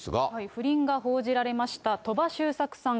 不倫が報じられました鳥羽周作さん